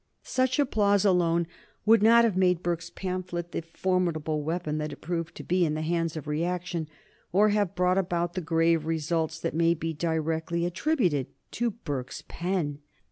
Such applause alone would not have made Burke's pamphlet the formidable weapon that it proved to be in the hands of reaction, or have brought about the grave results that may be directly attributed to Burke's pen.